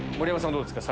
どうですか？